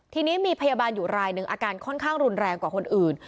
ทีนี้มีพยาบาลอยู่รายหนึ่งอาการค่อนข้างรุนแรงกว่าคนอื่น